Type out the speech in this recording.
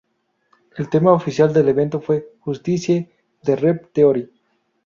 El tema oficial del evento fue ""Justice"" de Rev Theory.